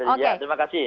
oke terima kasih